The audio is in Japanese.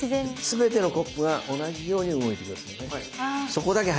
全てのコップが同じように動いて下さいね。